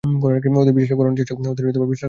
ওদের বিশ্বাস করানোর চেষ্টা করছিলাম।